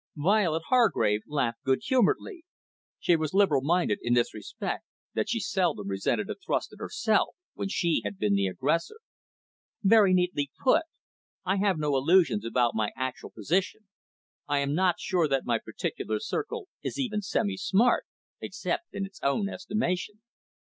Violet Hargrave laughed good humouredly. She was liberal minded in this respect, that she seldom resented a thrust at herself when she had been the aggressor. "Very neatly put. I have no illusions about my actual position. I am not sure that my particular circle is even semi smart, except in its own estimation."